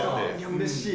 うれしい！